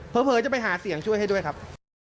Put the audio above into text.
เผลอจะไปหาเสียงช่วยให้ด้วยครับ